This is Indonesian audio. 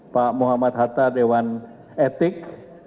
pak muhammad hatta dewan etik